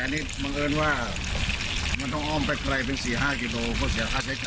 ตอนนี้น้ำเต็มอุโมงไม่มีไฟไม่มีอะไร